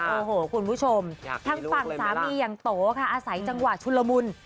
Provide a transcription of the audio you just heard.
โอ้โหคุณผู้ชมทางฝั่งสามีอย่างโตค่ะอาศัยจังหวะชุนละมุน